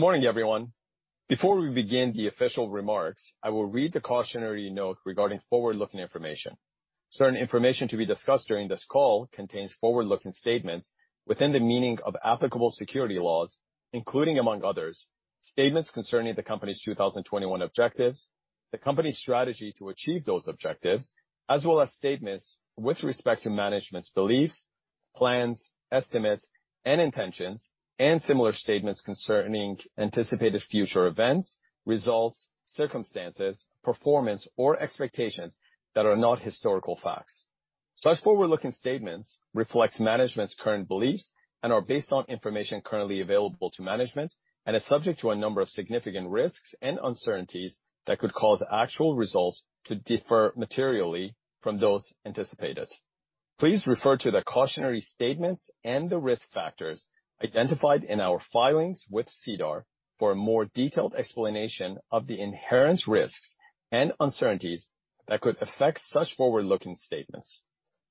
Good morning, everyone. Before we begin the official remarks, I will read the cautionary note regarding forward-looking information. Certain information to be discussed during this call contains forward-looking statements within the meaning of applicable securities laws, including, among others, statements concerning the Company's 2021 objectives, the Company's strategy to achieve those objectives, as well as statements with respect to management's beliefs, plans, estimates, and intentions, and similar statements concerning anticipated future events, results, circumstances, performance, or expectations that are not historical facts. Such forward-looking statements reflects management's current beliefs and are based on information currently available to management and are subject to a number of significant risks and uncertainties that could cause actual results to differ materially from those anticipated. Please refer to the cautionary statements and the risk factors identified in our filings with SEDAR for a more detailed explanation of the inherent risks and uncertainties that could affect such forward-looking statements.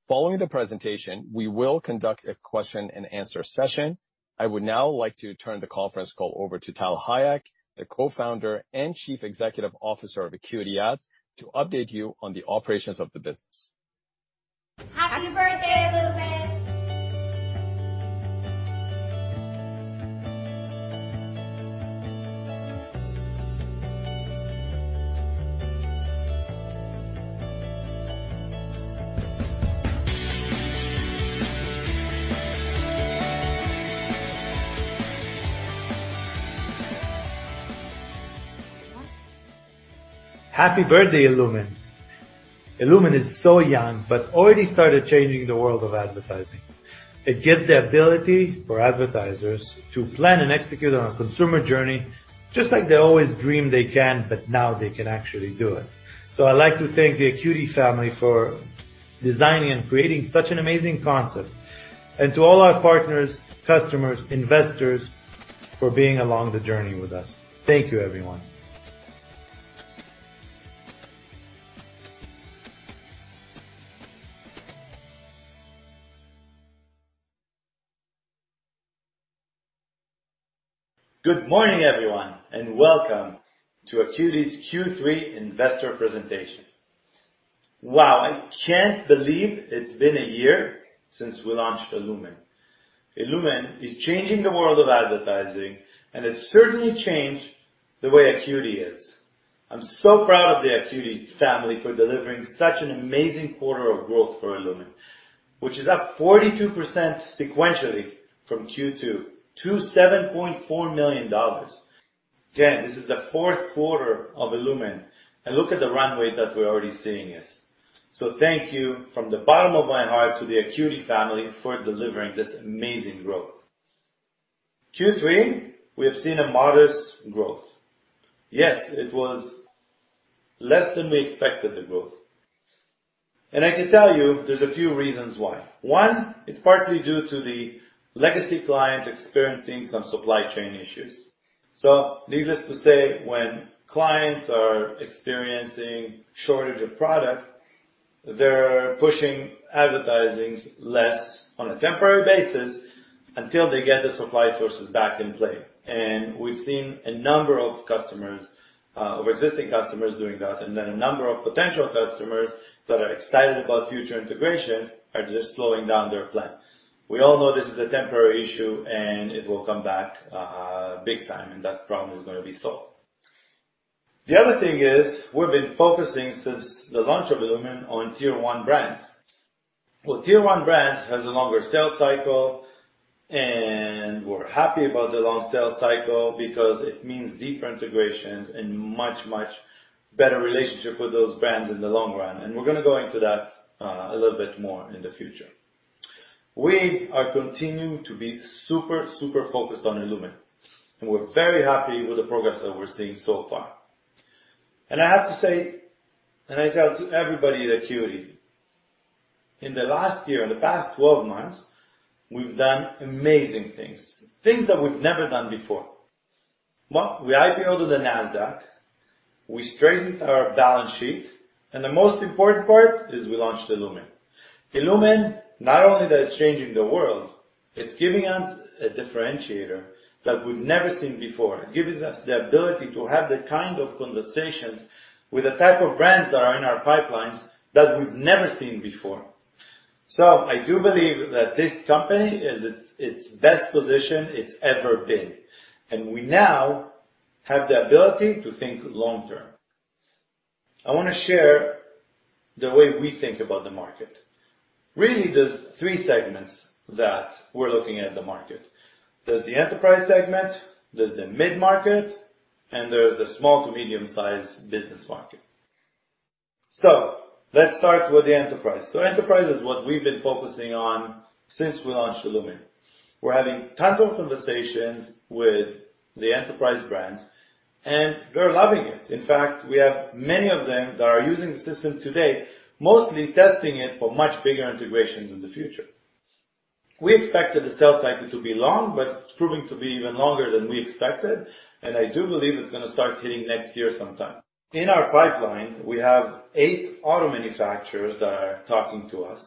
Following the presentation, we will conduct a question-and-answer session. I would now like to turn the conference call over to Tal Hayek, the Co-founder and Chief Executive Officer of AcuityAds, to update you on the operations of the business. Happy birthday, illumin. Happy birthday, illumin. illumin is so young, but already started changing the world of advertising. It gives the ability for advertisers to plan and execute on a consumer journey just like they always dreamed they can, but now they can actually do it. I'd like to thank the Acuity family for designing and creating such an amazing concept, and to all our partners, customers, investors for being along the journey with us. Thank you, everyone. Good morning, everyone, and welcome to Acuity's Q3 investor presentation. Wow, I can't believe it's been a year since we launched illumin. illumin is changing the world of advertising, and it certainly changed the way Acuity is. I'm so proud of the Acuity family for delivering such an amazing quarter of growth for illumin, which is up 42% sequentially from Q2 to $7.4 million. This is the fourth quarter of illumin, and look at the runway that we're already seeing it. Thank you from the bottom of my heart to the Acuity family for delivering this amazing growth. Q3, we have seen a modest growth. Yes, it was less than we expected, the growth. I can tell you there's a few reasons why. One, it's partly due to the legacy client experiencing some supply chain issues. Needless to say, when clients are experiencing shortage of product, they're pushing advertising less on a temporary basis until they get the supply sources back in play. We've seen a number of customers, of existing customers doing that, and then a number of potential customers that are excited about future integration are just slowing down their plans. We all know this is a temporary issue, and it will come back, big time, and that problem is gonna be solved. The other thing is, we've been focusing since the launch of illumin on tier one brands. Well, tier one brands has a longer sales cycle, and we're happy about the long sales cycle because it means deeper integrations and much, much better relationship with those brands in the long run. We're gonna go into that, a little bit more in the future. We are continuing to be super focused on illumin, and we're very happy with the progress that we're seeing so far. I have to say, and I tell to everybody at Acuity, in the last year, in the past 12 months, we've done amazing things that we've never done before. One, we IPO to the Nasdaq, we strengthened our balance sheet, and the most important part is we launched illumin. illumin, not only that it's changing the world, it's giving us a differentiator that we've never seen before. It gives us the ability to have the kind of conversations with the type of brands that are in our pipelines that we've never seen before. I do believe that this company is its best position it's ever been, and we now have the ability to think long-term. I wanna share the way we think about the market. Really, there's three segments that we're looking at the market. There's the enterprise segment, there's the mid-market, and there's the small to medium-sized business market. Let's start with the enterprise. Enterprise is what we've been focusing on since we launched illumin. We're having tons of conversations with the enterprise brands, and they're loving it. In fact, we have many of them that are using the system today, mostly testing it for much bigger integrations in the future. We expected the sales cycle to be long, but it's proving to be even longer than we expected, and I do believe it's gonna start hitting next year sometime. In our pipeline, we have eight auto manufacturers that are talking to us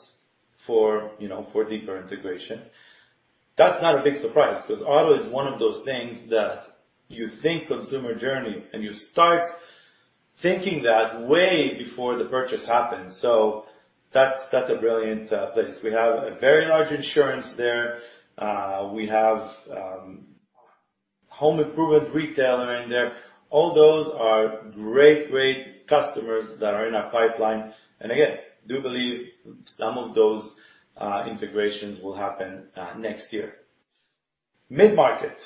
for, you know, for deeper integration. That's not a big surprise, 'cause auto is one of those things that you think consumer journey, and you start thinking that way before the purchase happens. That's a brilliant place. We have a very large insurance there. We have a home improvement retailer in there. All those are great customers that are in our pipeline. Again, do believe some of those integrations will happen next year. Mid-market.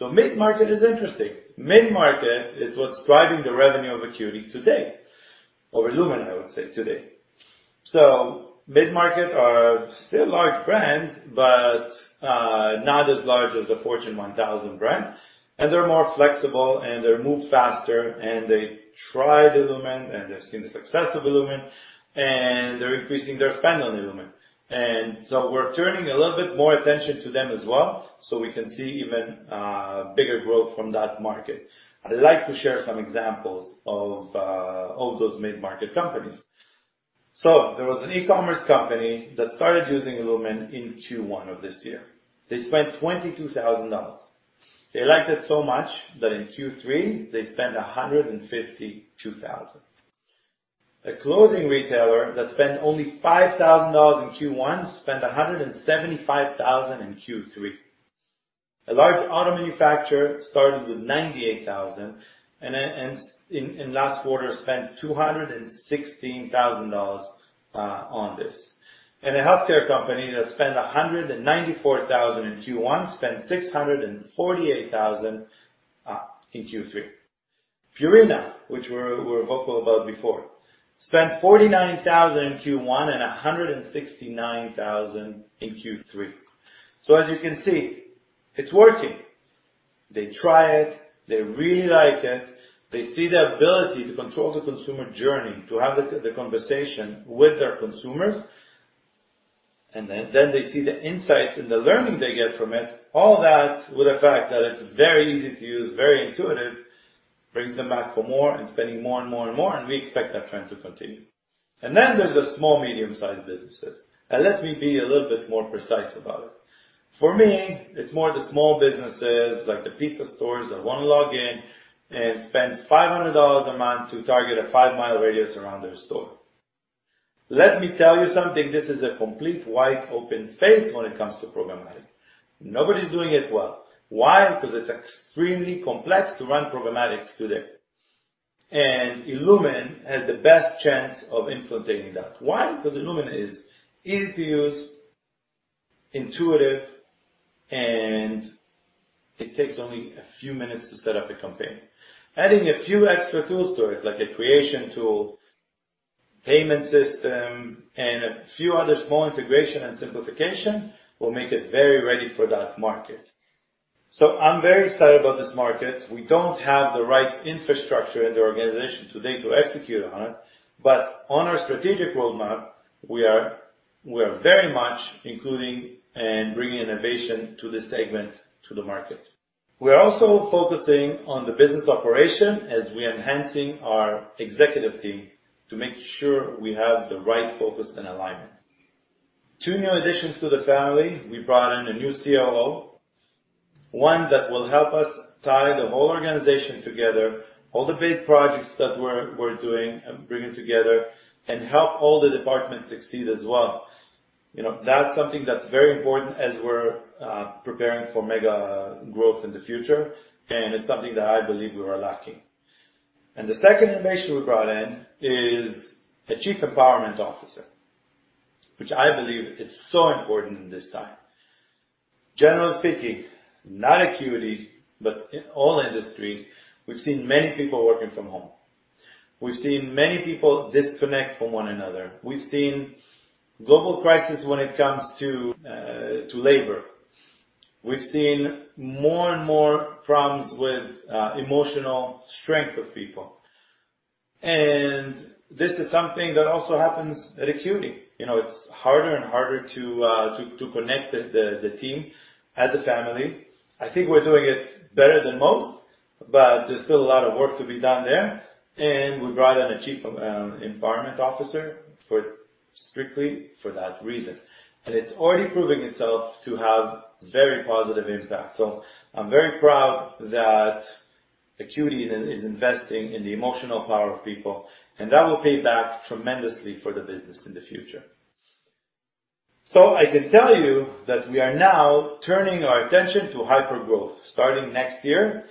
Mid-market is interesting. Mid-market is what's driving the revenue of Acuity today. Or illumin, I would say, today. Mid-market are still large brands, but not as large as the Fortune 1000 brands, and they're more flexible and they move faster and they try the illumin, and they've seen the success of illumin, and they're increasing their spend on illumin. We're turning a little bit more attention to them as well, so we can see even bigger growth from that market. I'd like to share some examples of those mid-market companies. There was an e-commerce company that started using illumin in Q1 of this year. They spent $22,000. They liked it so much that in Q3, they spent $152,000. A clothing retailer that spent only $5,000 in Q1 spent $175,000 in Q3. A large auto manufacturer started with $98,000, and then in last quarter spent $216,000 on this. A healthcare company that spent $194,000 in Q1 spent $648,000 in Q3. Purina, which we're vocal about before, spent $49,000 in Q1 and $169,000 in Q3. As you can see, it's working. They try it, they really like it. They see the ability to control the consumer journey, to have the conversation with their consumers, and then they see the insights and the learning they get from it. All that with the fact that it's very easy to use, very intuitive, brings them back for more, and spending more and more and more, and we expect that trend to continue. Then there's the small medium-sized businesses. Let me be a little bit more precise about it. For me, it's more the small businesses like the pizza stores that wanna log in and spend $500 a month to target a five mile radius around their store. Let me tell you something, this is a complete wide open space when it comes to programmatic. Nobody's doing it well. Why? Because it's extremely complex to run programmatic today. Illumin has the best chance of infiltrating that. Why? Because Illumin is easy to use, intuitive, and it takes only a few minutes to set up a campaign. Adding a few extra tools to it, like a creation tool, payment system, and a few other small integration and simplification, will make it very ready for that market. I'm very excited about this market. We don't have the right infrastructure in the organization today to execute on it, but on our strategic roadmap, we are very much including and bringing innovation to this segment to the market. We are also focusing on the business operation as we're enhancing our executive team to make sure we have the right focus and alignment. Two new additions to the family. We brought in a new COO, one that will help us tie the whole organization together, all the big projects that we're doing and bring it together, and help all the departments succeed as well. You know, that's something that's very important as we're preparing for mega growth in the future, and it's something that I believe we were lacking. The second innovation we brought in is a chief empowerment officer, which I believe is so important in this time. Generally speaking, not Acuity, but in all industries, we've seen many people working from home. We've seen many people disconnect from one another. We've seen global crisis when it comes to labor. We've seen more and more problems with emotional strength of people. This is something that also happens at Acuity. You know, it's harder and harder to connect the team as a family. I think we're doing it better than most, but there's still a lot of work to be done there, and we brought in a Chief Empowerment Officer strictly for that reason. It's already proving itself to have very positive impact. I'm very proud that Acuity is investing in the emotional power of people, and that will pay back tremendously for the business in the future. I can tell you that we are now turning our attention to hypergrowth. Starting next year,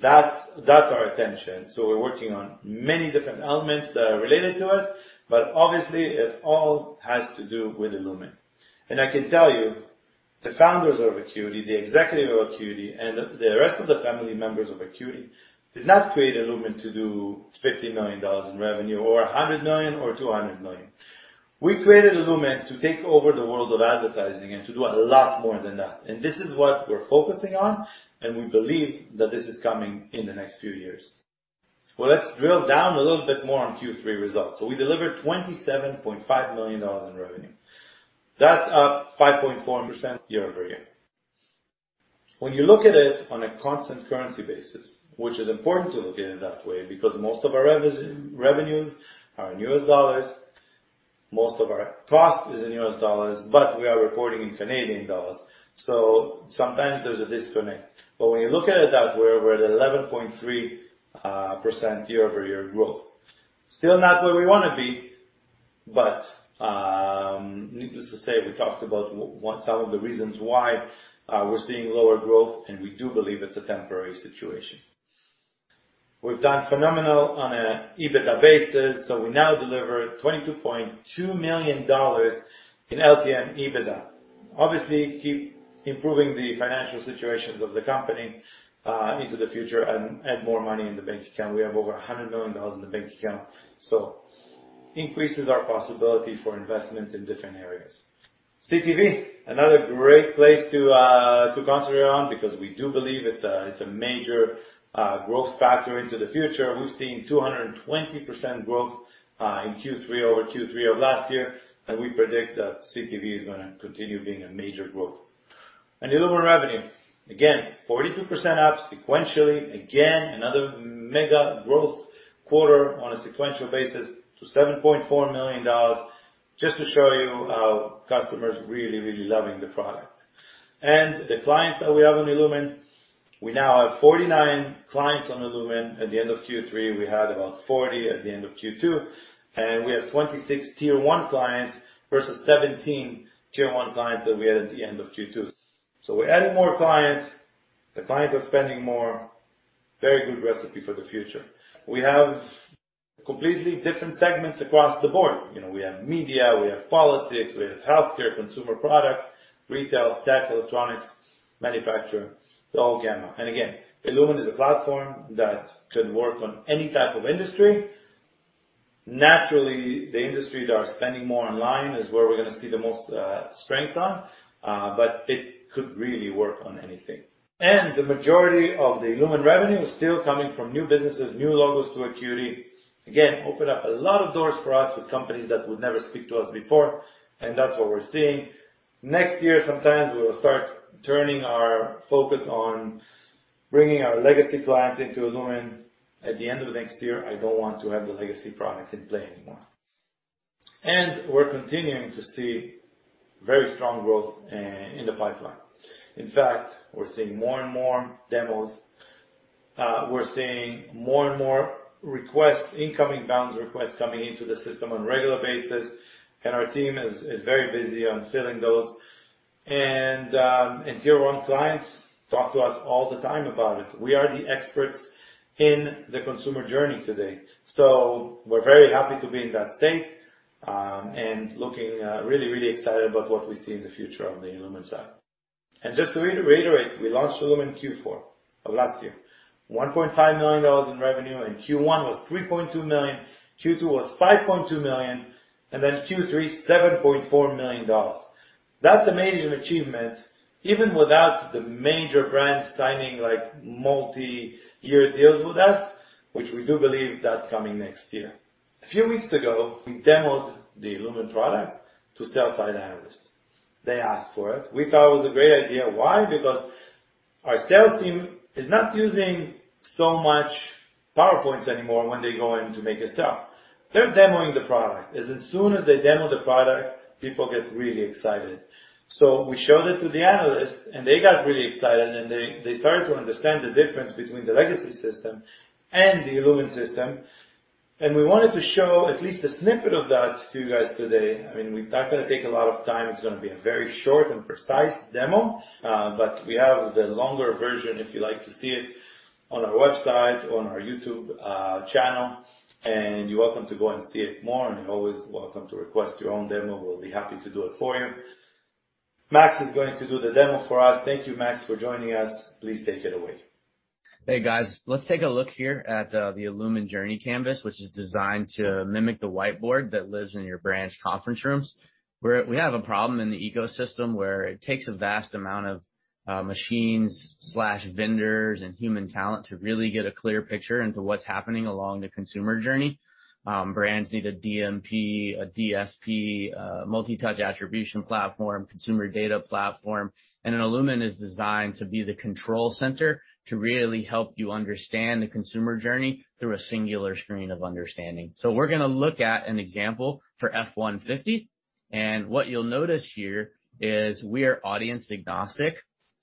that's our attention. We're working on many different elements that are related to it, but obviously it all has to do with illumin. I can tell you, the founders of Acuity, the executive of Acuity, and the rest of the family members of Acuity did not create illumin to do $50 million in revenue or $100 million or $200 million. We created illumin to take over the world of advertising and to do a lot more than that. This is what we're focusing on, and we believe that this is coming in the next few years. Well, let's drill down a little bit more on Q3 results. We delivered $27.5 million in revenue. That's up 5.4% year-over-year. When you look at it on a constant currency basis, which is important to look at it that way because most of our revenues are in US dollars, most of our cost is in US dollars, but we are reporting in Canadian dollars, so sometimes there's a disconnect. When you look at it that way, we're at 11.3% year-over-year growth. Still not where we wanna be, but needless to say, we talked about what some of the reasons why we're seeing lower growth, and we do believe it's a temporary situation. We've done phenomenal on a EBITDA basis, so we now deliver 22.2 million dollars in LTM EBITDA. Obviously, keep improving the financial situations of the company into the future and more money in the bank account. We have over $100 million in the bank account. Increases our possibility for investment in different areas. CTV, another great place to concentrate on because we do believe it's a major growth factor into the future. We're seeing 220% growth in Q3 over Q3 of last year, and we predict that CTV is gonna continue being a major growth. illumin revenue, again, 42% up sequentially. Again, another mega growth quarter on a sequential basis to $7.4 million, just to show you how customers really, really loving the product. The clients that we have on illumin, we now have 49 clients on illumin. At the end of Q3, we had about 40 at the end of Q2, and we have 26 tier 1 clients versus 17 tier 1 clients that we had at the end of Q2. We're adding more clients. The clients are spending more. Very good recipe for the future. We have completely different segments across the board. You know, we have media, we have politics, we have healthcare, consumer products, retail, tech, electronics, manufacturing, the whole gamut. Again, illumin is a platform that could work on any type of industry. Naturally, the industry that are spending more online is where we're gonna see the most strength on, but it could really work on anything. The majority of the illumin revenue is still coming from new businesses, new logos to AcuityAds. Again, opened up a lot of doors for us with companies that would never speak to us before, and that's what we're seeing. Next year, sometimes we will start turning our focus on bringing our legacy clients into illumin. At the end of next year, I don't want to have the legacy product in play anymore. We're continuing to see very strong growth in the pipeline. In fact, we're seeing more and more demos. We're seeing more and more requests, inbound requests coming into the system on a regular basis, and our team is very busy on filling those. Tier one clients talk to us all the time about it. We are the experts in the consumer journey today. We're very happy to be in that state and looking really excited about what we see in the future on the illumin side. Just to reiterate, we launched illumin Q4 of last year. $1.5 million in revenue, and Q1 was $3.2 million, Q2 was $5.2 million, and then Q3, $7.4 million. That's a major achievement, even without the major brands signing like multi-year deals with us, which we do believe that's coming next year. A few weeks ago, we demoed the illumin product to sell-side analysts. They asked for it. We thought it was a great idea. Why? Because our sales team is not using so much PowerPoint anymore when they go in to make a sale. They're demoing the product. As soon as they demo the product, people get really excited. We showed it to the analysts and they got really excited and they started to understand the difference between the legacy system and the illumin system. We wanted to show at least a snippet of that to you guys today. I mean, we're not gonna take a lot of time. It's gonna be a very short and precise demo, but we have the longer version if you like to see it on our website, on our YouTube channel, and you're welcome to go and see it more and you're always welcome to request your own demo. We'll be happy to do it for you. Max is going to do the demo for us. Thank you, Max, for joining us. Please take it away. Hey, guys. Let's take a look here at the illumin journey canvas, which is designed to mimic the whiteboard that lives in your branch conference rooms. We have a problem in the ecosystem where it takes a vast amount of machines/vendors and human talent to really get a clear picture into what's happening along the consumer journey. Brands need a DMP, a DSP, a multi-touch attribution platform, consumer data platform, and an illumin is designed to be the control center to really help you understand the consumer journey through a singular screen of understanding. We're gonna look at an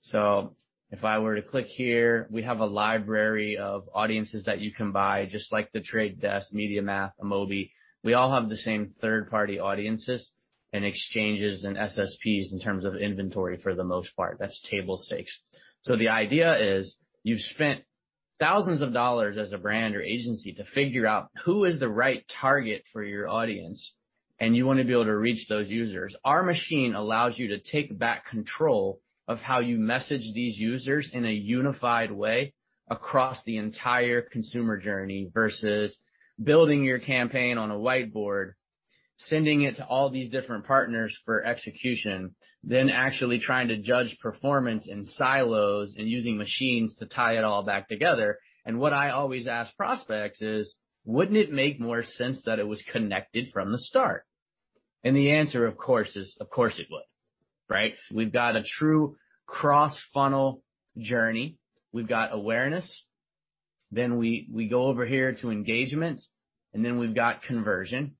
example for F-150, and what you'll notice here is we are audience agnostic. If I were to click here, we have a library of audiences that you can buy, just like The Trade Desk, MediaMath, Amobee. We all have the same third-party audiences and exchanges and SSPs in terms of inventory for the most part. That's table stakes. The idea is you've spent thousands of dollars as a brand or agency to figure out who is the right target for your audience, and you wanna be able to reach those users. Our machine allows you to take back control of how you message these users in a unified way across the entire consumer journey versus building your campaign on a whiteboard, sending it to all these different partners for execution, then actually trying to judge performance in silos and using machines to tie it all back together. What I always ask prospects is, Wouldn't it make more sense that it was connected from the start? The answer, of course, is of course it would, right? We've got a true cross-funnel journey. We've got awareness, then we go over here to engagement, and then we've got conversion.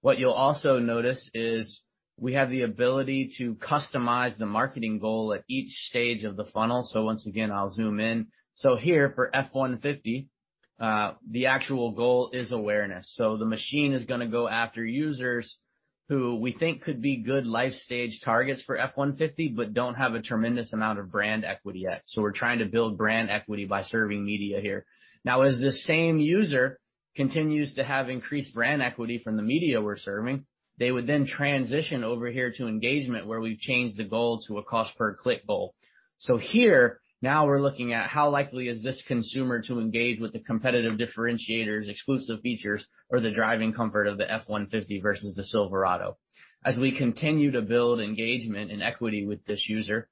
What you'll also notice is we have the ability to customize the marketing goal at each stage of the funnel. Once again, I'll zoom in. Here for F-150, the actual goal is awareness. The machine is gonna go after users who we think could be good life stage targets for F-150 but don't have a tremendous amount of brand equity yet. We're trying to build brand equity by serving media here. Now, as the same user continues to have increased brand equity from the media we're serving, they would then transition over here to engagement, where we've changed the goal to a cost per click goal. Here, now we're looking at how likely is this consumer to engage with the competitive differentiators, exclusive features, or the driving comfort of the F-150 versus the Silverado. As we continue to build engagement and equity with this user,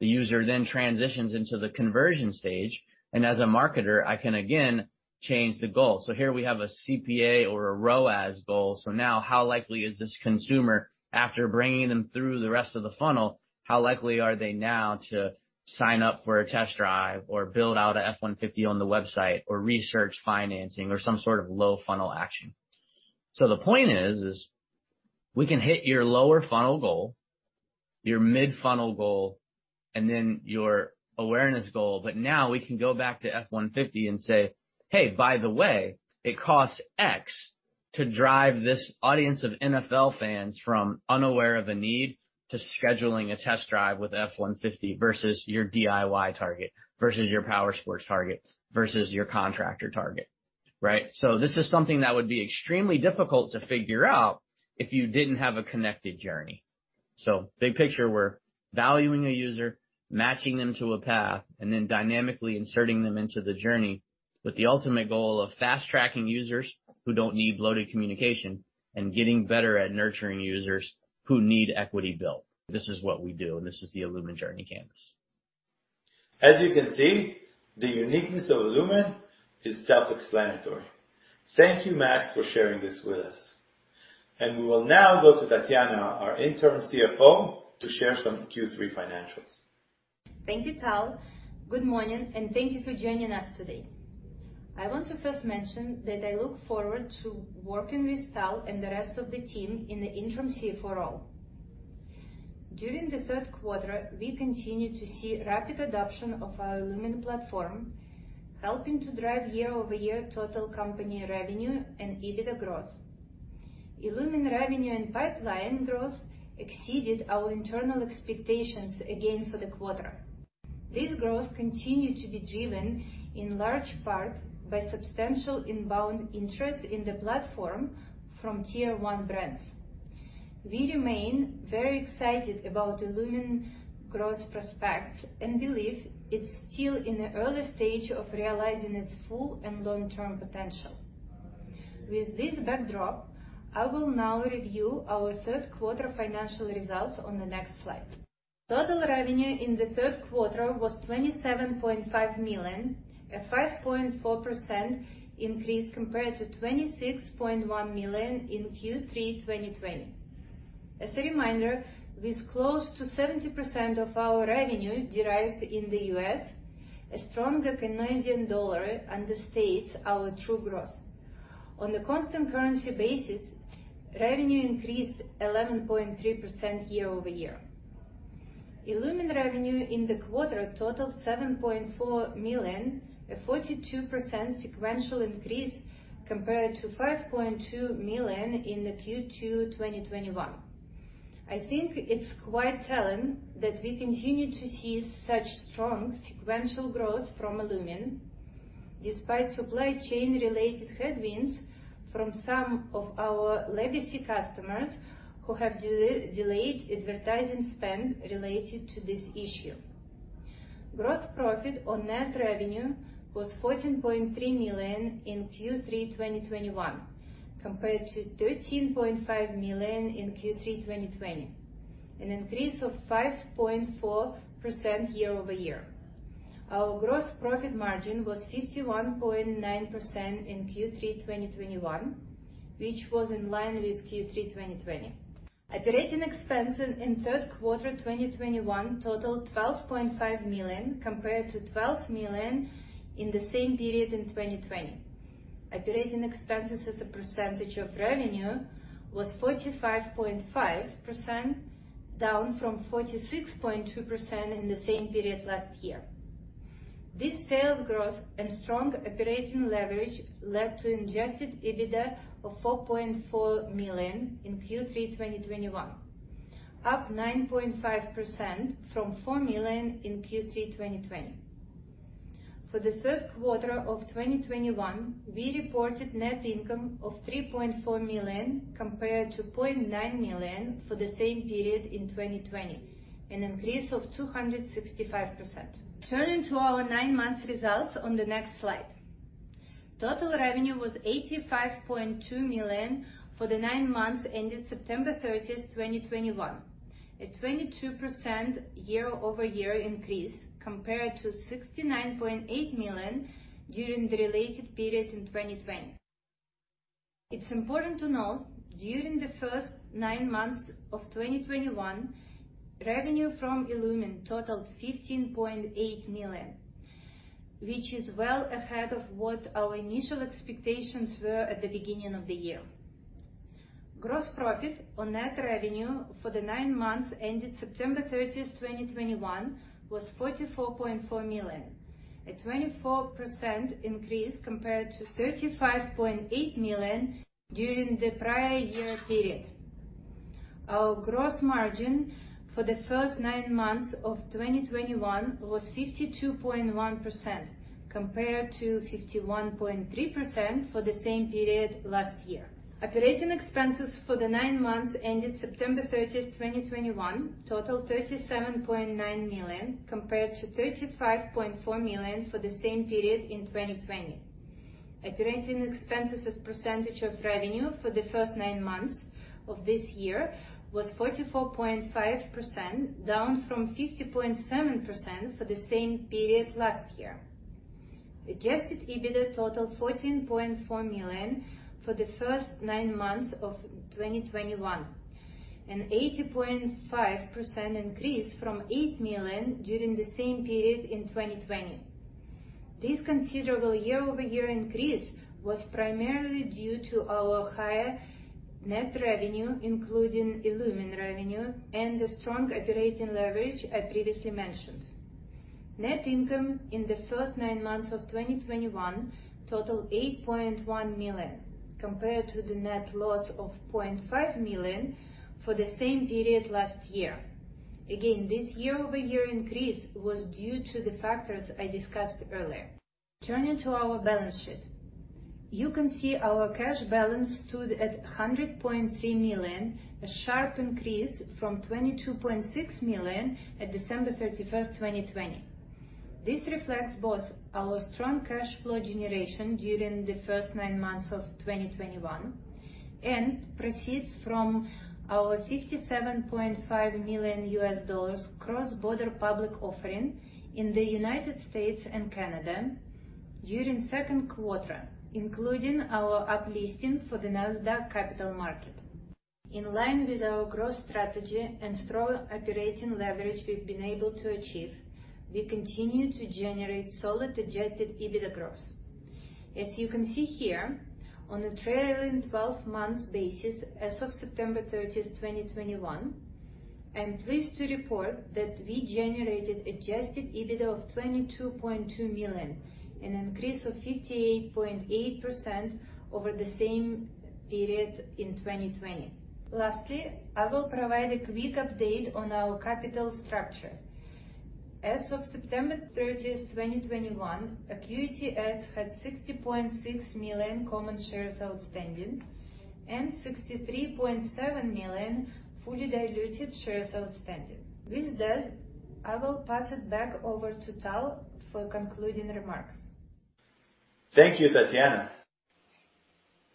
the user then transitions into the conversion stage. As a marketer, I can again change the goal. Here we have a CPA or a ROAS goal. Now how likely is this consumer after bringing them through the rest of the funnel, how likely are they now to sign up for a test drive or build out an F-150 on the website or research financing or some sort of low funnel action? The point is we can hit your lower funnel goal, your mid-funnel goal, and then your awareness goal. Now we can go back to F-150 and say, "Hey, by the way, it costs X to drive this audience of NFL fans from unaware of a need to scheduling a test drive with F-150 versus your DIY target, versus your power sports target, versus your contractor target," right? This is something that would be extremely difficult to figure out if you didn't have a connected journey. Big picture, we're valuing a user, matching them to a path, and then dynamically inserting them into the journey with the ultimate goal of fast-tracking users who don't need bloated communication and getting better at nurturing users who need equity built. This is what we do, and this is the illumin journey canvas. As you can see, the uniqueness of illumin is self-explanatory. Thank you, Max, for sharing this with us. We will now go to Tatiana, our interim CFO, to share some Q3 financials. Thank you, Tal. Good morning, and thank you for joining us today. I want to first mention that I look forward to working with Tal and the rest of the team in the interim CFO role. During the third quarter, we continued to see rapid adoption of our illumin platform, helping to drive year-over-year total company revenue and EBITDA growth. illumin revenue and pipeline growth exceeded our internal expectations again for the quarter. This growth continued to be driven in large part by substantial inbound interest in the platform from tier one brands. We remain very excited about illumin growth prospects and believe it's still in the early stage of realizing its full and long-term potential. With this backdrop, I will now review our third quarter financial results on the next slide. Total revenue in the third quarter was 27.5 million, a 5.4% increase compared to 26.1 million in Q3 2020. As a reminder, with close to 70% of our revenue derived in the U.S., a stronger Canadian dollar understates our true growth. On a constant currency basis, revenue increased 11.3% year-over-year. illumin revenue in the quarter totaled 7.4 million, a 42% sequential increase compared to 5.2 million in Q2 2021. I think it's quite telling that we continue to see such strong sequential growth from illumin despite supply chain related headwinds from some of our legacy customers who have delayed advertising spend related to this issue. Gross profit or net revenue was 14.3 million in Q3 2021, compared to 13.5 million in Q3 2020, an increase of 5.4% year-over-year. Our gross profit margin was 51.9% in Q3 2021, which was in line with Q3 2020. Operating expenses in third quarter 2021 totaled 12.5 million compared to 12 million in the same period in 2020. Operating expenses as a percentage of revenue was 45.5%, down from 46.2% in the same period last year. This sales growth and strong operating leverage led to adjusted EBITDA of 4.4 million in Q3 2021, up 9.5% from 4 million in Q3 2020. For the third quarter of 2021, we reported net income of $3.4 million compared to $0.9 million for the same period in 2020, an increase of 265%. Turning to our nine-month results on the next slide. Total revenue was $85.2 million for the nine months ended September 30, 2021. A 22% year-over-year increase compared to $69.8 million during the related period in 2020. It's important to know, during the first nine months of 2021, revenue from illumin totaled $15.8 million, which is well ahead of what our initial expectations were at the beginning of the year. Gross profit on net revenue for the nine months ended September 30, 2021 was $44.4 million, a 24% increase compared to $35.8 million during the prior year period. Our gross margin for the first nine months of 2021 was 52.1% compared to 51.3% for the same period last year. Operating expenses for the nine months ended September 30, 2021 totaled $37.9 million compared to $35.4 million for the same period in 2020. Operating expenses as percentage of revenue for the first nine months of this year was 44.5%, down from 50.7% for the same period last year. Adjusted EBITDA totaled $14.4 million for the first nine months of 2021, an 80.5% increase from $8 million during the same period in 2020. This considerable year-over-year increase was primarily due to our higher net revenue, including illumin revenue and the strong operating leverage I previously mentioned. Net income in the first 9 months of 2021 totaled $8.1 million, compared to the net loss of $0.5 million for the same period last year. This year-over-year increase was due to the factors I discussed earlier. Turning to our balance sheet. You can see our cash balance stood at $100.3 million, a sharp increase from $22.6 million at December 31, 2020. This reflects both our strong cash flow generation during the first nine months of 2021 and proceeds from our $57.5 million cross-border public offering in the United States and Canada during second quarter, including our uplisting to the Nasdaq Capital Market. In line with our growth strategy and strong operating leverage we've been able to achieve, we continue to generate solid adjusted EBITDA growth. As you can see here, on a trailing 12 months basis, as of September 30, 2021, I'm pleased to report that we generated adjusted EBITDA of 22.2 million, an increase of 58.8% over the same period in 2020. Lastly, I will provide a quick update on our capital structure. As of September 30, 2021, AcuityAds had 60.6 million common shares outstanding and 63.7 million fully diluted shares outstanding. With that, I will pass it back over to Tal for concluding remarks. Thank you, Tatiana.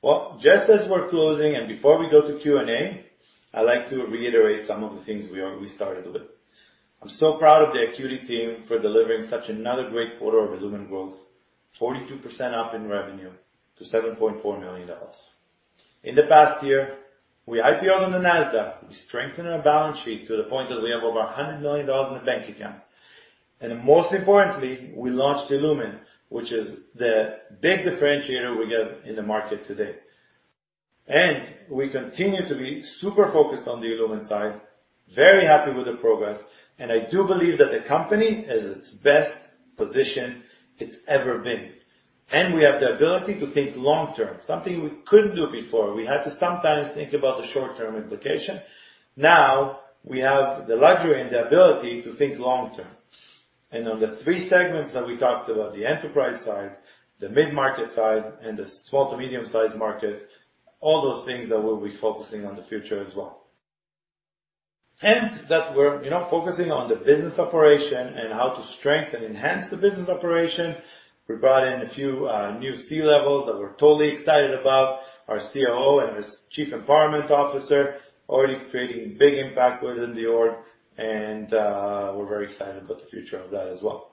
Well, just as we're closing and before we go to Q&A, I like to reiterate some of the things we started with. I'm so proud of the illumin team for delivering such another great quarter of illumin growth, 42% up in revenue to $7.4 million. In the past year, we IPO on the Nasdaq. We strengthened our balance sheet to the point that we have over $100 million in the bank account. Most importantly, we launched illumin, which is the big differentiator we get in the market today. We continue to be super focused on the illumin side, very happy with the progress, and I do believe that the company is its best position it's ever been. We have the ability to think long-term, something we couldn't do before. We had to sometimes think about the short-term implication. Now, we have the luxury and the ability to think long-term. On the three segments that we talked about, the enterprise side, the mid-market side, and the small to medium-sized market, all those things that we'll be focusing on the future as well. That we're, you know, focusing on the business operation and how to strengthen, enhance the business operation. We brought in a few new C-levels that we're totally excited about. Our COO and his chief empowerment officer already creating big impact within the org, and we're very excited about the future of that as well.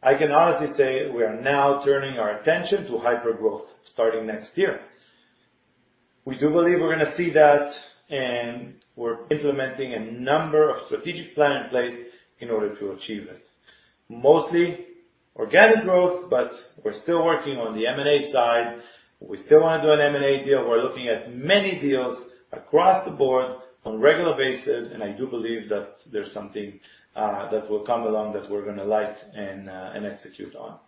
I can honestly say we are now turning our attention to hypergrowth starting next year. We do believe we're gonna see that, and we're implementing a number of strategic plan in place in order to achieve it. Mostly organic growth, but we're still working on the M&A side. We still wanna do an M&A deal. We're looking at many deals across the board on regular basis, and I do believe that there's something that will come along that we're gonna like and execute on.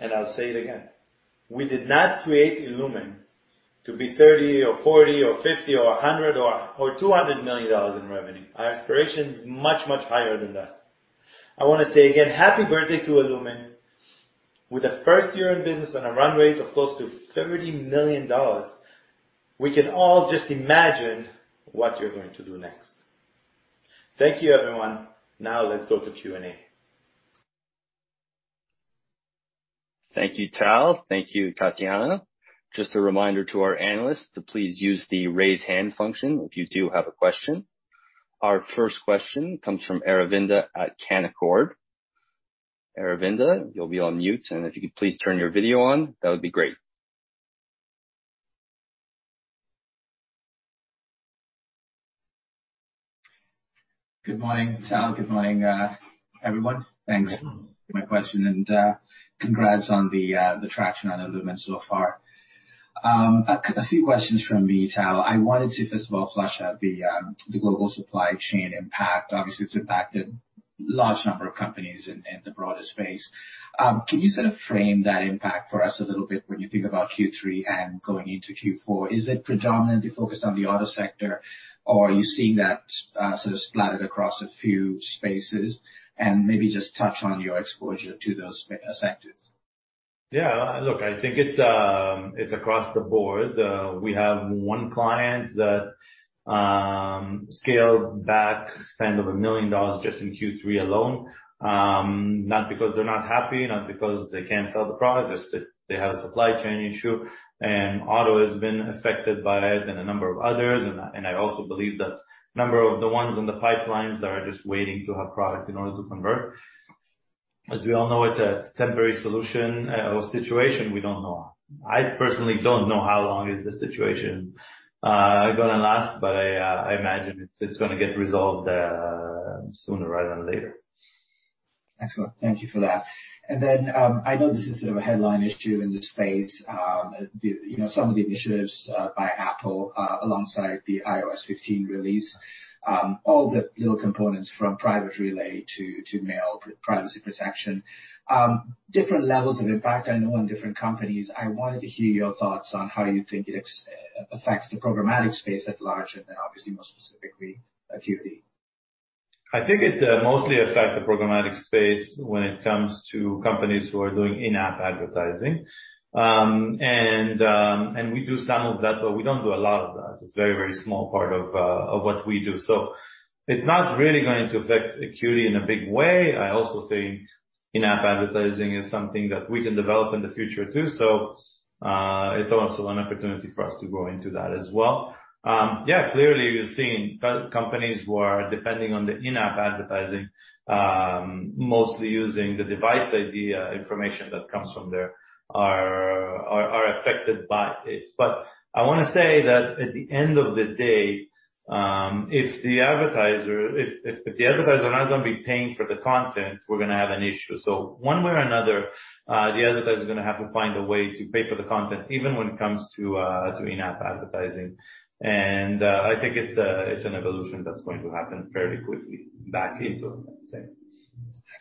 I'll say it again. We did not create illumin to be 30 or 40 or 50 or 100 or 200 million dollars in revenue. Our aspiration is much, much higher than that. I wanna say again, happy birthday to illumin. With a first year in business on a run rate of close to $30 million, we can all just imagine what you're going to do next. Thank you, everyone. Now, let's go to Q&A. Thank you, Tal. Thank you, Tatiana. Just a reminder to our analysts to please use the raise hand function if you do have a question. Our first question comes from Aravinda at Canaccord. Aravinda, you'll be on mute, and if you could please turn your video on, that would be great. Good morning, Tal. Good morning, everyone. Thanks for my question, and, congrats on the traction on illumin so far. A few questions from me, Tal. I wanted to first of all flesh out the global supply chain impact. Obviously, it's impacted large number of companies in the broader space. Can you sort of frame that impact for us a little bit when you think about Q3 and going into Q4? Is it predominantly focused on the auto sector, or are you seeing that, sort of splattered across a few spaces? Maybe just touch on your exposure to those sectors. Yeah. Look, I think it's across the board. We have one client that scaled back spend of 1 million dollars just in Q3 alone. Not because they're not happy, not because they can't sell the product, just that they had a supply chain issue. Auto has been affected by it and a number of others, and I also believe that number of the ones in the pipelines that are just waiting to have product in order to convert. As we all know, it's a temporary solution or situation. We don't know. I personally don't know how long is this situation gonna last, but I imagine it's gonna get resolved sooner rather than later. Excellent. Thank you for that. I know this is sort of a headline issue in this space. You know, some of the initiatives by Apple alongside the iOS 15 release, all the little components from Private Relay to Mail Privacy Protection, different levels of impact, I know, on different companies. I wanted to hear your thoughts on how you think it affects the programmatic space at large, and then obviously more specifically, Acuity. I think it mostly affects the programmatic space when it comes to companies who are doing in-app advertising. We do some of that, but we don't do a lot of that. It's a very, very small part of what we do. It's not really going to affect AcuityAds in a big way. I also think in-app advertising is something that we can develop in the future too, so it's also an opportunity for us to grow into that as well. Yeah, clearly you're seeing companies who are depending on the in-app advertising, mostly using the device ID information that comes from there, are affected by it. I wanna say that at the end of the day, if the advertiser. If the advertisers are not gonna be paying for the content, we're gonna have an issue. One way or another, the advertisers are gonna have to find a way to pay for the content, even when it comes to in-app advertising. I think it's an evolution that's going to happen fairly quickly back into it.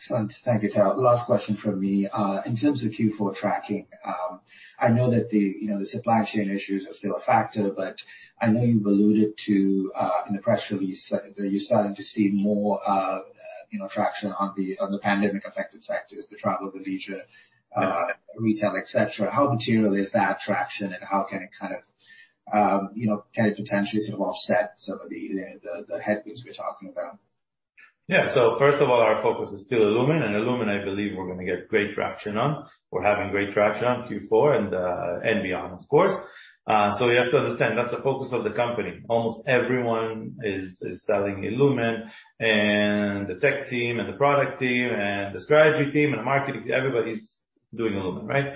Excellent. Thank you, Tal. Last question from me. In terms of Q4 tracking, I know that the supply chain issues are still a factor, but I know you've alluded to in the press release that you're starting to see more traction on the pandemic-affected sectors, the travel, the leisure, retail, et cetera. How material is that traction, and how can it kind of, you know, can it potentially sort of offset some of the headwinds we're talking about? First of all, our focus is still illumin, and illumin, I believe we're gonna get great traction on. We're having great traction on Q4 and beyond, of course. You have to understand, that's the focus of the company. Almost everyone is selling illumin, and the tech team and the product team and the strategy team and the marketing, everybody's doing illumin, right?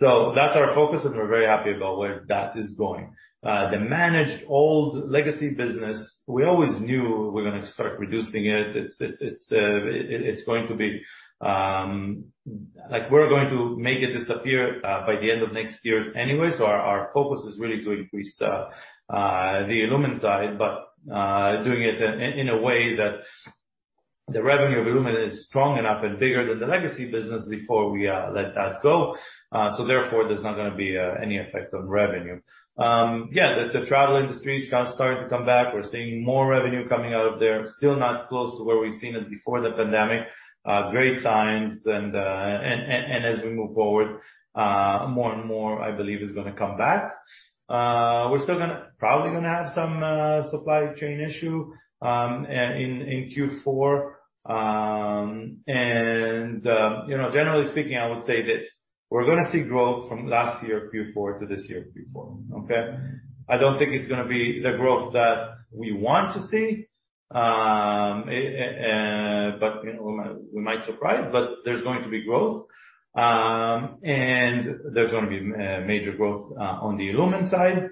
That's our focus, and we're very happy about where that is going. The managed old legacy business, we always knew we're gonna start reducing it. It's going to be. Like, we're going to make it disappear by the end of next year anyway, so our focus is really to increase the illumin side, but doing it in a way that the revenue of illumin is strong enough and bigger than the legacy business before we let that go. Therefore, there's not gonna be any effect on revenue. Yeah, the travel industry is kind of starting to come back. We're seeing more revenue coming out of there. Still not close to where we've seen it before the pandemic. Great signs and as we move forward, more and more, I believe, is gonna come back. We're still gonna probably have some supply chain issue in Q4. You know, generally speaking, I would say this: We're gonna see growth from last year Q4 to this year Q4, okay? I don't think it's gonna be the growth that we want to see, but you know, we might surprise, but there's going to be growth. There's gonna be major growth on the illumin side.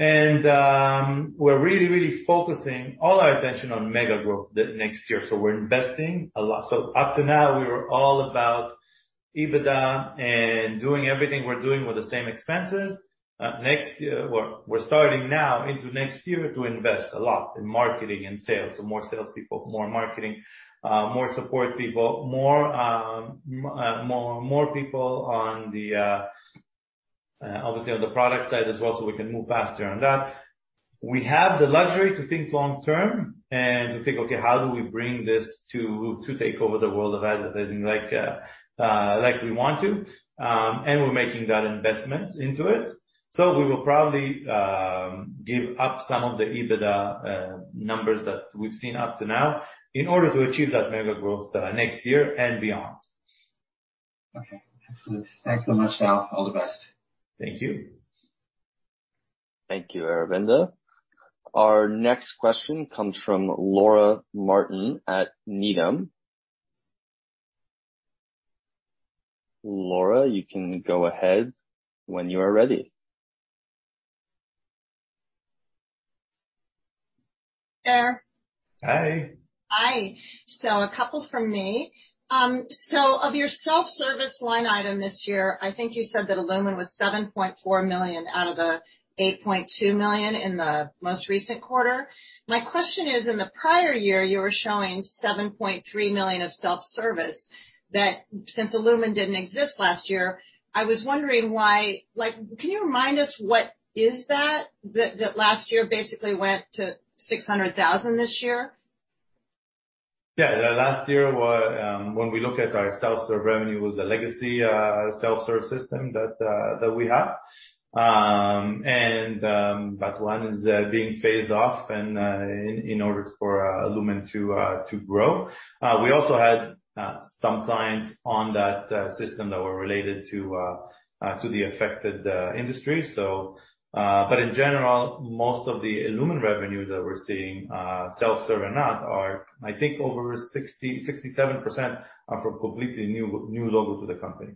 We're really focusing all our attention on mega growth the next year, so we're investing a lot. Up to now, we were all about EBITDA and doing everything we're doing with the same expenses. Next year, well, we're starting now into next year to invest a lot in marketing and sales. More salespeople, more marketing, more support people, more people on the product side as well, obviously, so we can move faster on that. We have the luxury to think long term and to think, "Okay, how do we bring this to take over the world of advertising like we want to?" We're making that investment into it. We will probably give up some of the EBITDA numbers that we've seen up to now in order to achieve that mega growth next year and beyond. Okay. Absolutely. Thanks so much, Tal. All the best. Thank you. Thank you, Aravinda. Our next question comes from Laura Martin at Needham. Laura, you can go ahead when you are ready. Hi there. Hi. Hi. A couple from me. Of your self-service line item this year, I think you said that illumin was $7.4 million out of the $8.2 million in the most recent quarter. My question is in the prior year, you were showing $7.3 million of self-service that since illumin didn't exist last year, I was wondering why. Like, can you remind us what is that last year basically went to $600,000 this year? Yeah. The last year, when we look at our self-serve revenue was the legacy self-serve system that we had. That one is being phased off and, in order for illumin to grow. We also had some clients on that system that were related to the affected industry. But in general, most of the illumin revenue that we're seeing, self-serve or not, are, I think over 67% are from completely new logo to the company.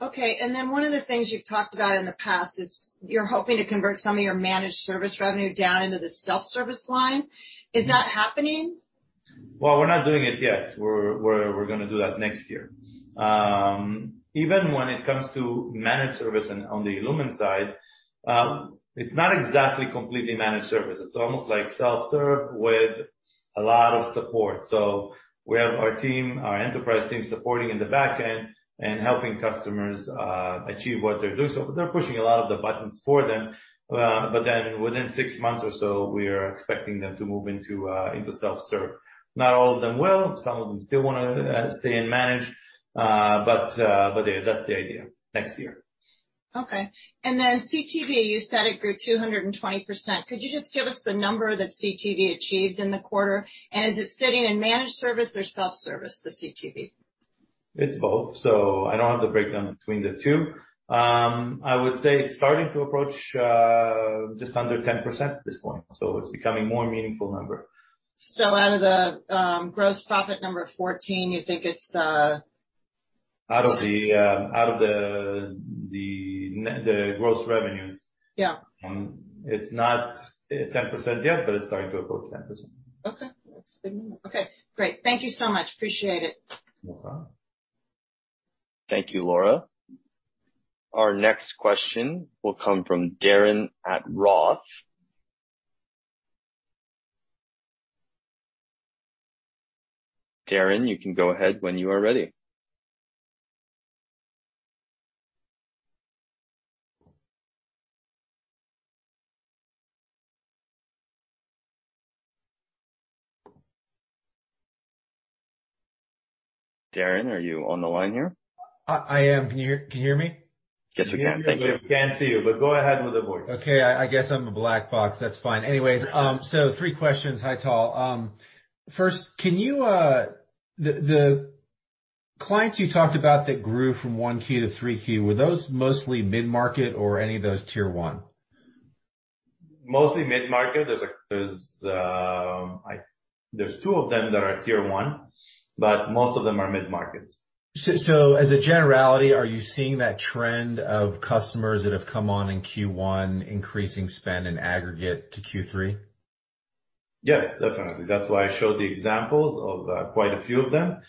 Okay. One of the things you've talked about in the past is you're hoping to convert some of your managed service revenue down into the self-service line. Is that happening? Well, we're not doing it yet. We're gonna do that next year. Even when it comes to managed service on the illumin side, it's not exactly completely managed service. It's almost like self-serve with a lot of support. We have our team, our enterprise team supporting in the back end and helping customers achieve what they're doing. They're pushing a lot of the buttons for them, but then within six months or so, we are expecting them to move into self-serve. Not all of them will. Some of them still wanna stay in managed, but yeah, that's the idea. Next year. Okay. CTV, you said it grew 220%. Could you just give us the number that CTV achieved in the quarter? Is it sitting in managed service or self-service, the CTV? It's both. I don't have the breakdown between the two. I would say it's starting to approach, just under 10% at this point, so it's becoming more meaningful number. Out of the gross profit number 14, you think it's? Out of the gross revenues Yeah. It's not 10% yet, but it's starting to approach 10%. Okay. That's good number. Okay, great. Thank you so much. Appreciate it. No problem. Thank you, Laura. Our next question will come from Darren at ROTH. Darren, you can go ahead when you are ready. Darren, are you on the line here? I am. Can you hear me? Yes, we can. Thank you. We can't see you, but go ahead with the voice. Okay. I guess I'm a black box. That's fine. Anyways, three questions. Hi, Tal. First, the clients you talked about that grew from 1Q to 3Q, were those mostly mid-market or any of those tier 1? Mostly mid-market. There's two of them that are tier one, but most of them are mid-markets. As a generality, are you seeing that trend of customers that have come on in Q1 increasing spend in aggregate to Q3? Yes, definitely. That's why I showed the examples of quite a few of them.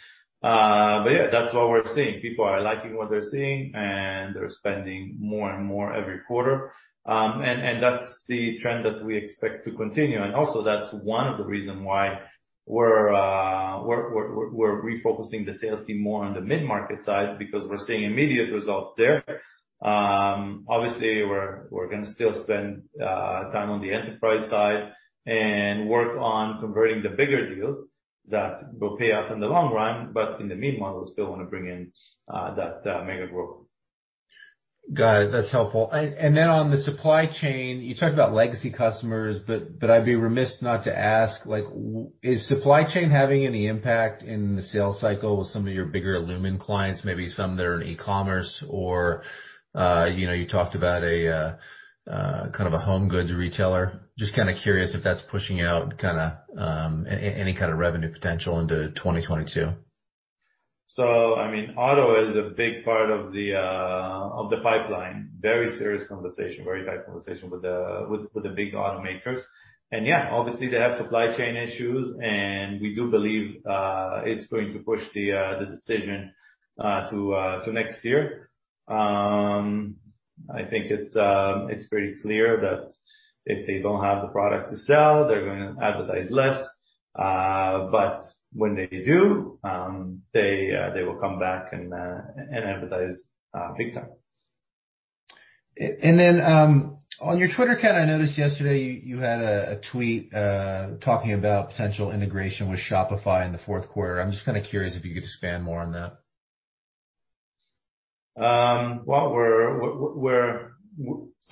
But yeah, that's what we're seeing. People are liking what they're seeing, and they're spending more and more every quarter. That's the trend that we expect to continue. Also that's one of the reason why we're refocusing the sales team more on the mid-market side because we're seeing immediate results there. Obviously we're gonna still spend time on the enterprise side and work on converting the bigger deals that will pay off in the long run, but in the meanwhile, we still wanna bring in that mega growth. Got it. That's helpful. On the supply chain, you talked about legacy customers, but I'd be remiss not to ask, like, is supply chain having any impact in the sales cycle with some of your bigger illumin clients, maybe some that are in e-commerce or you know, you talked about a kind of a home goods retailer? Just kinda curious if that's pushing out kinda any kind of revenue potential into 2022. I mean, auto is a big part of the pipeline. Very serious conversation. Very tight conversation with the big automakers. Yeah, obviously they have supply chain issues, and we do believe it's going to push the decision to next year. I think it's pretty clear that if they don't have the product to sell, they're gonna advertise less. When they do, they will come back and advertise big time. On your twitter account, I noticed yesterday you had a tweet talking about potential integration with Shopify in the fourth quarter. I'm just kinda curious if you could expand more on that.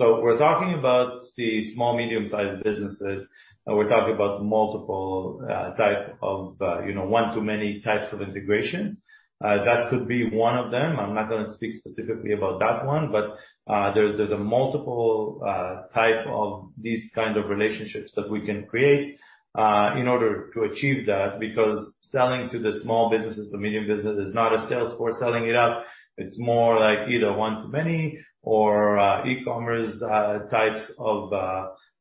We're talking about the small, medium-sized businesses, and we're talking about multiple type of, you know, one to many types of integrations. That could be one of them. I'm not gonna speak specifically about that one, but there's a multiple type of these kind of relationships that we can create in order to achieve that, because selling to the small businesses to medium business is not a sales force selling it out. It's more like either one to many or e-commerce types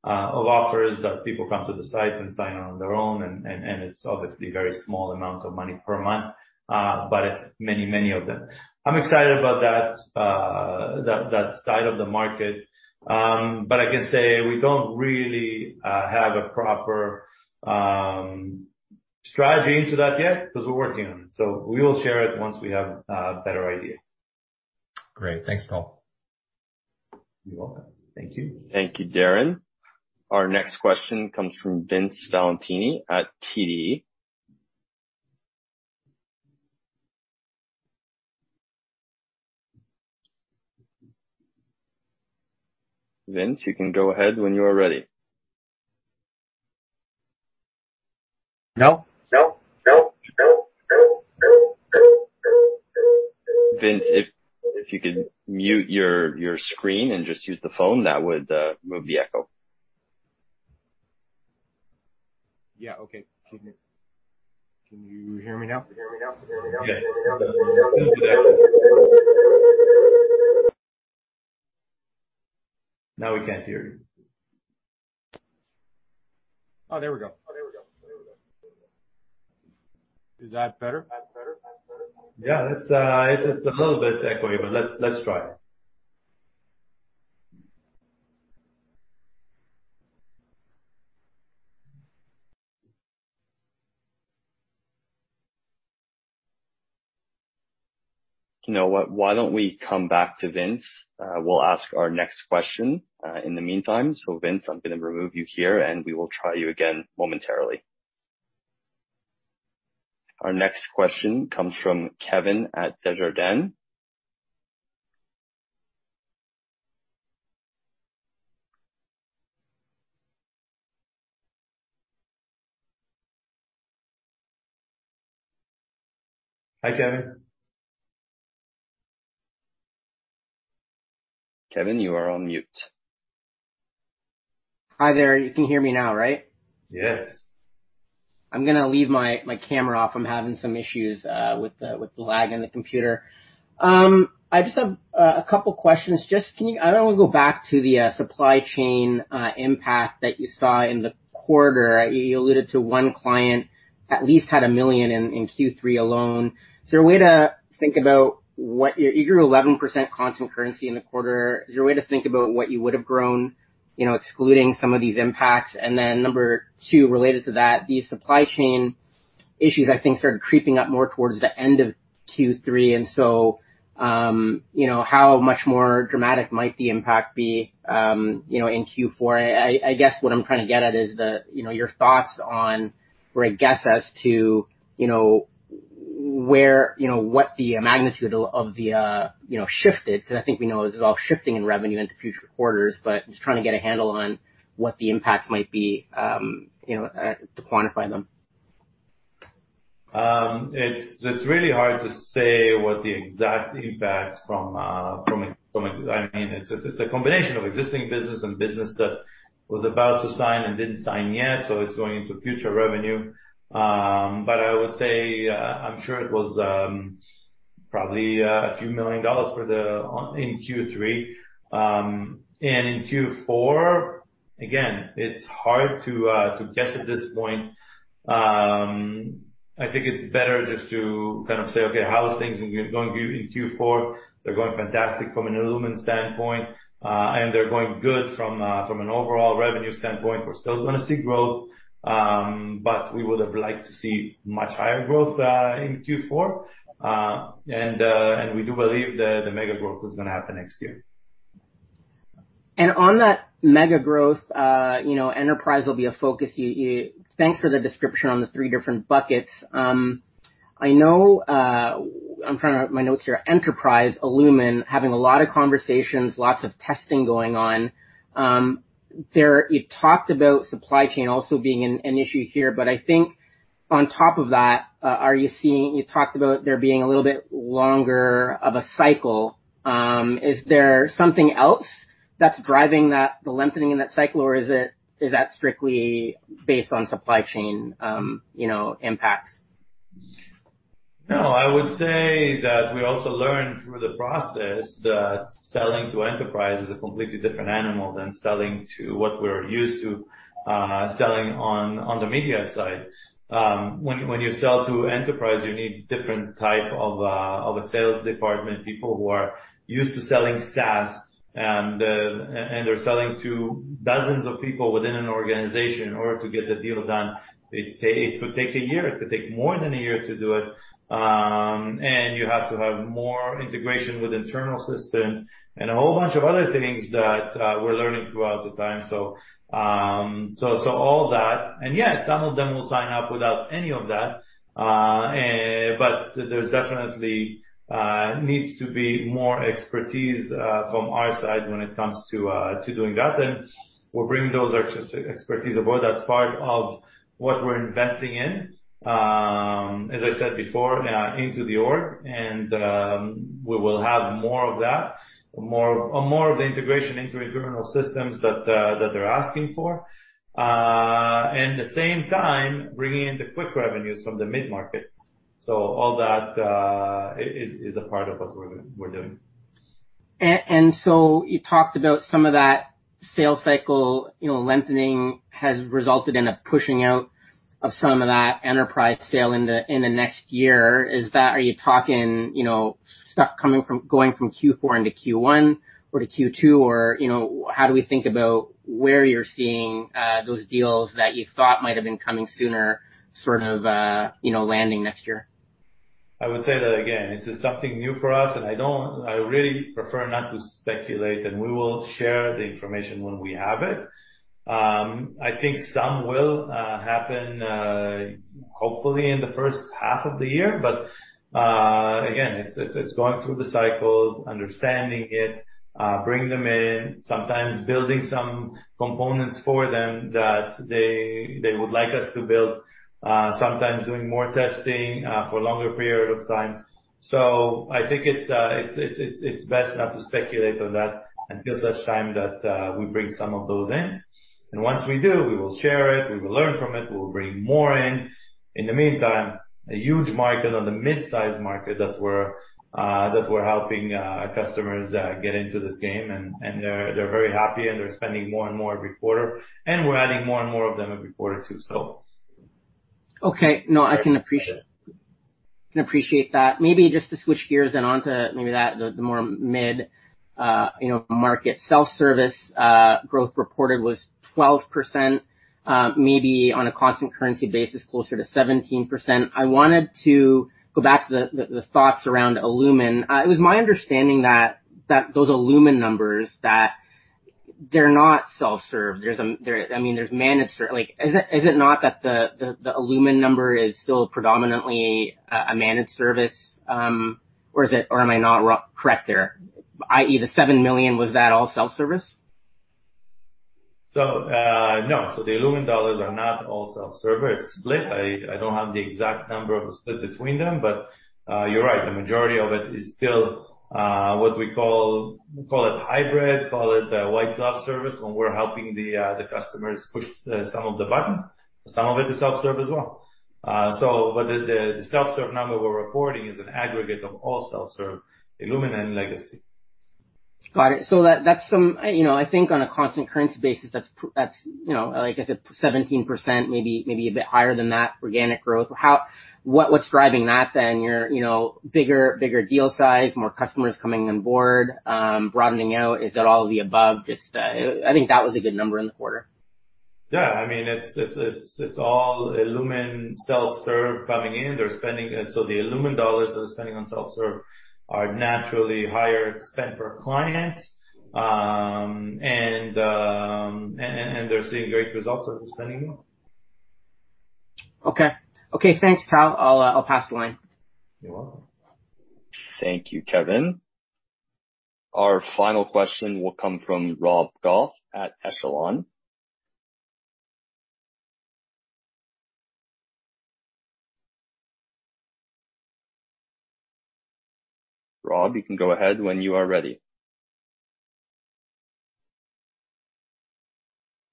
of offers that people come to the site and sign on their own, and it's obviously very small amounts of money per month, but it's many, many of them. I'm excited about that side of the market. I can say we don't really have a proper strategy into that yet because we're working on it. We will share it once we have a better idea. Great. Thanks, Tal. You're welcome. Thank you. Thank you, Darren. Our next question comes from Vince Valentini at TD. Vince, you can go ahead when you are ready. No. Vince, if you could mute your screen and just use the phone, that would remove the echo. Yeah. Okay. Can you hear me now? Now we can't hear you. Oh, there we go. Is that better? Yeah, it's a little bit echoey, but let's try. You know what, why don't we come back to Vince? We'll ask our next question in the meantime. Vince, I'm gonna remove you here, and we will try you again momentarily. Our next question comes from Kevin at Desjardins. Hi, Kevin. Kevin, you are on mute. Hi there. You can hear me now, right? Yes. I'm gonna leave my camera off. I'm having some issues with the lag in the computer. I just have a couple questions. I wanna go back to the supply chain impact that you saw in the quarter. You alluded to one client at least had $1 million in Q3 alone. You grew 11% constant currency in the quarter. Is there a way to think about what you would have grown, you know, excluding some of these impacts? Then number two, related to that, these supply chain issues, I think, started creeping up more towards the end of Q3. You know, how much more dramatic might the impact be, you know, in Q4? I guess what I'm trying to get at is the, you know, your thoughts on, or I guess as to, you know, where, you know, what the magnitude of the, you know, shift is. Because I think we know this is all shifting in revenue into future quarters, but just trying to get a handle on what the impacts might be, you know, to quantify them. It's really hard to say what the exact impact from a—I mean, it's a combination of existing business and business that was about to sign and didn't sign yet, so it's going into future revenue. I would say, I'm sure it was probably a few million dollars in Q3. In Q4, again, it's hard to guess at this point. I think it's better just to kind of say, okay, how is things in here going in Q4? They're going fantastic from an illumin standpoint, and they're going good from an overall revenue standpoint. We're still gonna see growth, but we would have liked to see much higher growth in Q4. We do believe the mega growth is gonna happen next year. On that mega growth, you know, enterprise will be a focus. Thanks for the description on the three different buckets. I know my notes here, Enterprise, illumin, having a lot of conversations, lots of testing going on. There you talked about supply chain also being an issue here, but I think on top of that, you talked about there being a little bit longer of a cycle. Is there something else that's driving that, the lengthening in that cycle, or is that strictly based on supply chain, you know, impacts? No. I would say that we also learned through the process that selling to enterprise is a completely different animal than selling to what we're used to selling on the media side. When you sell to enterprise, you need different type of a sales department, people who are used to selling SaaS and they're selling to dozens of people within an organization in order to get the deal done. It could take a year, it could take more than a year to do it, and you have to have more integration with internal systems and a whole bunch of other things that we're learning throughout the time. All that. Yeah, some of them will sign up without any of that, but there definitely needs to be more expertise from our side when it comes to doing that. We're bringing that expertise aboard. That's part of what we're investing in, as I said before, into the org. We will have more of that, more of the integration into internal systems that they're asking for, at the same time bringing in the quick revenues from the mid-market. All that is a part of what we're doing. You talked about some of that sales cycle, you know, lengthening has resulted in a pushing out of some of that enterprise sale in the, in the next year. Are you talking, you know, stuff going from Q4 into Q1 or to Q2, or, you know, how do we think about where you're seeing those deals that you thought might have been coming sooner, sort of, you know, landing next year? I would say that again. This is something new for us, and I don't, I really prefer not to speculate, and we will share the information when we have it. I think some will happen hopefully in the first half of the year, but again, it's going through the cycles, understanding it, bringing them in, sometimes building some components for them that they would like us to build, sometimes doing more testing for a longer period of time. I think it's best not to speculate on that until such time that we bring some of those in. Once we do, we will share it. We will learn from it. We will bring more in. In the meantime, a huge market on the mid-size market that we're helping customers get into this game, and they're very happy, and they're spending more and more every quarter. We're adding more and more of them every quarter, too. I can appreciate that. Maybe just to switch gears then on to maybe that, the more mid-market. Self-service growth reported was 12%, maybe on a constant currency basis, closer to 17%. I wanted to go back to the thoughts around illumin. It was my understanding that those illumin numbers, that they're not self-serve. I mean, is it not that the illumin number is still predominantly a managed service? Or am I not correct there? i.e., the $7 million, was that all self-service? No. The illumin dollars are not all self-serve. It's split. I don't have the exact number of the split between them, but you're right, the majority of it is still what we call it hybrid, call it a white glove service, when we're helping the customers push some of the buttons. Some of it is self-serve as well. The self-serve number we're reporting is an aggregate of all self-serve, illumin and legacy. Got it. That, that's some. You know, I think on a constant currency basis, that's, you know, like I said, 17%, maybe a bit higher than that organic growth. What's driving that then? You know, bigger deal size, more customers coming on board, broadening out? Is it all of the above? Just, I think that was a good number in the quarter. Yeah. I mean, it's all illumin self-serve coming in. They're spending. The illumin dollars they're spending on self-serve are naturally higher spend per client. They're seeing great results of the spending more. Okay. Okay, thanks, Tal. I'll pass the line. You're welcome. Thank you, Kevin. Our final question will come from Rob Goff at Echelon. Rob, you can go ahead when you are ready.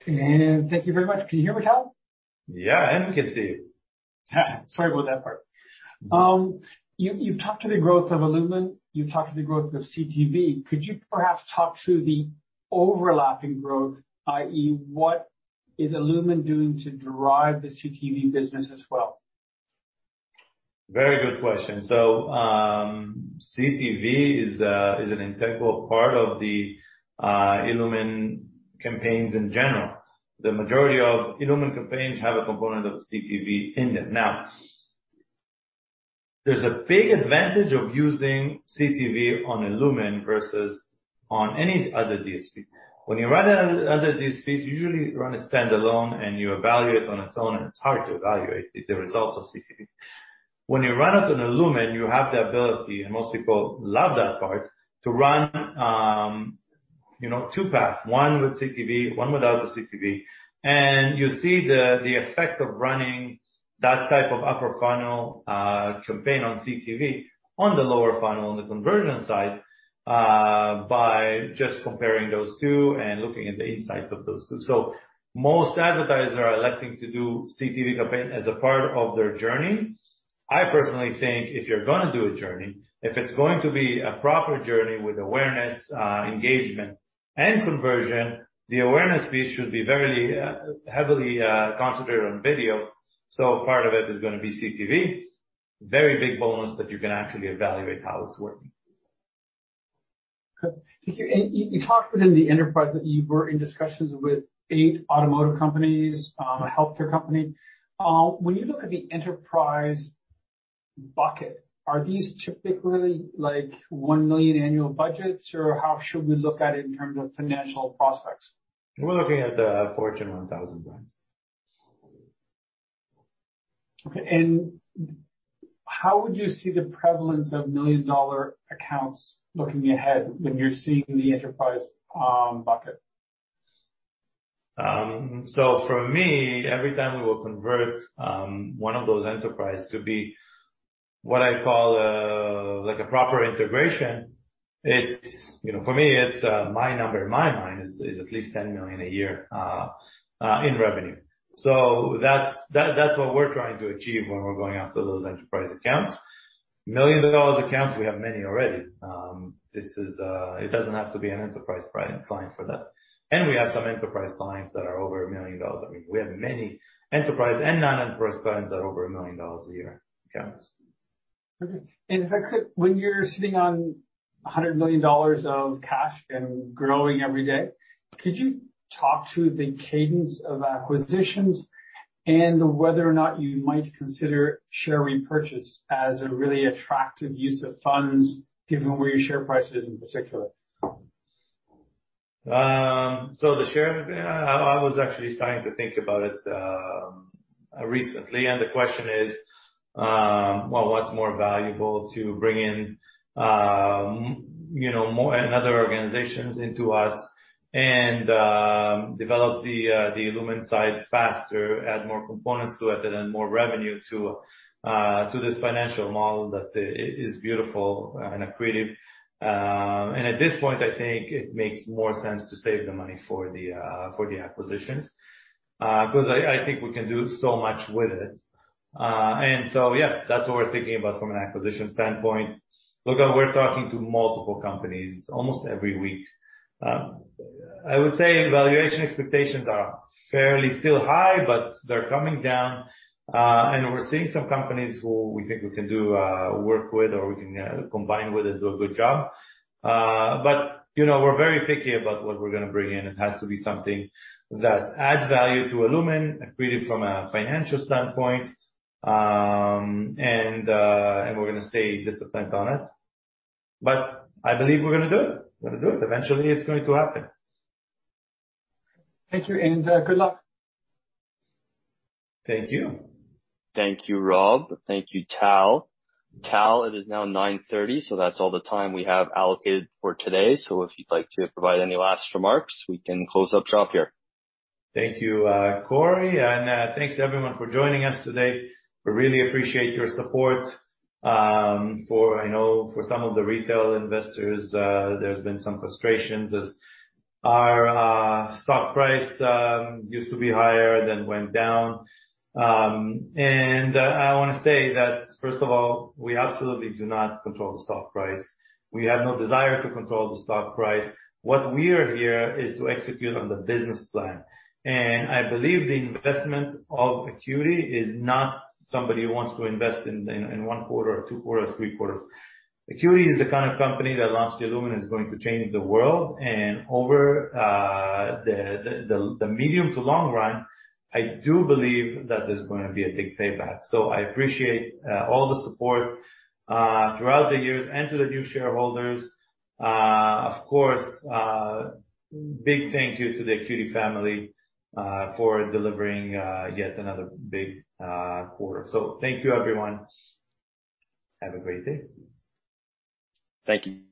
Thank you very much. Can you hear me, Tal? Yeah. We can see you. Sorry about that part. You, you've talked to the growth of illumin. You've talked to the growth of CTV. Could you perhaps talk through the overlapping growth, i.e., what is illumin doing to drive the CTV business as well? Very good question. CTV is an integral part of the illumin campaigns in general. The majority of illumin campaigns have a component of CTV in them. Now, there's a big advantage of using CTV on illumin versus on any other DSP. When you run other DSPs, you usually run a standalone and you evaluate on its own, and it's hard to evaluate the results of CTV. When you run it on illumin, you have the ability, and most people love that part, to run you know, two paths, one with CTV, one without the CTV. You see the effect of running that type of upper funnel campaign on CTV on the lower funnel on the conversion side by just comparing those two and looking at the insights of those two. Most advertisers are electing to do CTV campaign as a part of their journey. I personally think if you're gonna do a journey, if it's going to be a proper journey with awareness, engagement and conversion, the awareness piece should be very, heavily, concentrated on video. Part of it is gonna be CTV. Very big bonus that you can actually evaluate how it's working. Okay. Thank you. You talked in the enterprise that you were in discussions with eight automotive companies, a healthcare company. When you look at the enterprise bucket, are these typically, like, 1 million annual budgets, or how should we look at it in terms of financial prospects? We're looking at the Fortune 1000 brands. Okay. How would you see the prevalence of million-dollar accounts looking ahead when you're seeing the enterprise bucket? For me, every time we will convert one of those enterprise to be what I call like a proper integration, it's you know for me it's my number in my mind is at least $10 million a year in revenue. That's what we're trying to achieve when we're going after those enterprise accounts. $1 million accounts, we have many already. It doesn't have to be an enterprise client for that. We have some enterprise clients that are over $1 million. I mean, we have many enterprise and non-enterprise clients that are over $1 million a year accounts. Okay. If I could, when you're sitting on $100 million of cash and growing every day, could you talk to the cadence of acquisitions and whether or not you might consider share repurchase as a really attractive use of funds given where your share price is in particular? The share I was actually starting to think about it recently, and the question is, well, what's more valuable to bring in, you know, other organizations into us and develop the illumin side faster, add more components to it and add more revenue to this financial model that is beautiful and accretive. At this point, I think it makes more sense to save the money for the acquisitions because I think we can do so much with it. Yeah, that's what we're thinking about from an acquisition standpoint. Look, we're talking to multiple companies almost every week. I would say valuation expectations are still fairly high, but they're coming down. We're seeing some companies who we think we can do work with or we can combine with and do a good job. You know, we're very picky about what we're gonna bring in. It has to be something that adds value to illumin, accretive from a financial standpoint. We're gonna stay disciplined on it. I believe we're gonna do it. Eventually, it's going to happen. Thank you, and good luck. Thank you. Thank you, Rob. Thank you, Tal. Tal, it is now 9:30, so that's all the time we have allocated for today. If you'd like to provide any last remarks, we can close up shop here. Thank you, Corey, and thanks everyone for joining us today. We really appreciate your support. I know for some of the retail investors, there's been some frustrations as our stock price used to be higher then went down. I wanna say that, first of all, we absolutely do not control the stock price. We have no desire to control the stock price. What we are here is to execute on the business plan, and I believe the investment of AcuityAds is not somebody who wants to invest in one quarter or two quarters, three quarters. AcuityAds is the kind of company that launched illumin, is going to change the world. Over the medium to long run, I do believe that there's gonna be a big payback. I appreciate all the support throughout the years and to the new shareholders. Of course, big thank you to the AcuityAds family for delivering yet another big quarter. Thank you, everyone. Have a great day. Thank you.